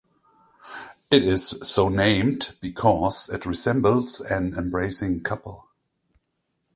It is so named because it resembles an embracing couple.